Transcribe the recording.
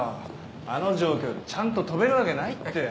あの状況でちゃんと飛べるわけないって。